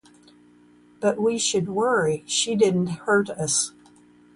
But we should worry, she didn't hurt us.